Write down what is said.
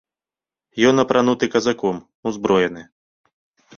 Ён апрануты казаком, узброены.